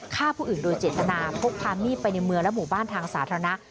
ฆ่าผู้อื่นโดยเจตนาพกพามีดไปในเมืองและหมู่บ้านทางสาธารณะ